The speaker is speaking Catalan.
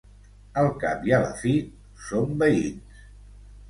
Al cap i a la fi, som veïns.